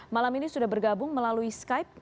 malam ini sudah bergabung melalui skype